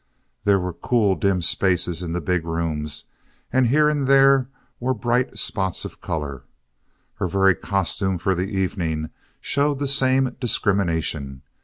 There were cool, dim spaces in the big rooms; and here and there were bright spots of color. Her very costume for the evening showed the same discrimination.